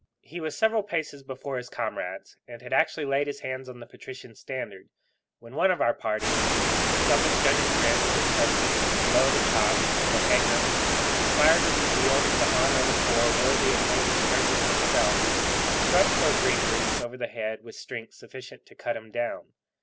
He was several paces before his comrades, and had actually laid his hands on the patrician standard, when one of our party, whom some misjudging friend had entrusted with a couleau de chasse, or hanger, inspired with a zeal for the honour of the corps worthy of Major Sturgeon himself, struck poor Green Breeks over the head with strength sufficient to cut him down.